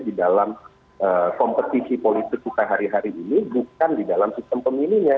di dalam kompetisi politik kita hari hari ini bukan di dalam sistem pemilunya